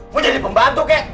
mau jadi pembantu kek